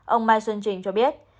ông mai xuân trình cho biết